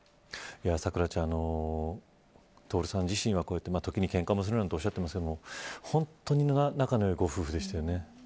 咲楽ちゃん、徹さん自身は時にけんかもするなどとおっしゃってますけど本当に仲の良いご夫婦でしたよね。